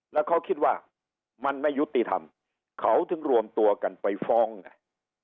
แล้วเขาคิดว่ามันไม่ยุติธรรมเขาถึงรวมตัวกันไปฟ้องไง